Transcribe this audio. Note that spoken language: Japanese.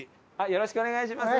よろしくお願いします。